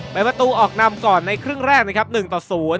เป็นประตูออกนำก่อนในครึ่งแรกนะครับ๑ต่อ๐